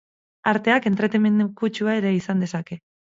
Arteak entretenimendu kutsua ere izan dezake?